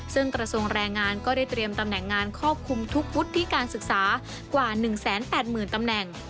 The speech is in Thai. ซึ่งกระทรวงแรงงานก็ได้เตรียมตำแหน่งงานครอบคลุมทุกวุฒิการศึกษากว่า๑๘๐๐๐ตำแหน่ง